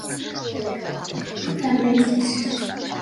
但被阻止。